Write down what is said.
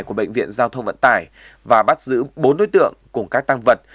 của bệnh viện giao thông vận tải và bắt giữ bốn đối tượng cùng các tăng vật